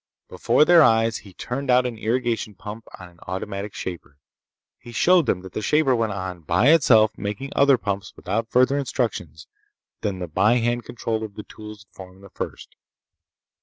Before their eyes he turned out an irrigation pump on an automatic shaper. He showed them that the shaper went on, by itself, making other pumps without further instructions than the by hand control of the tools that formed the first.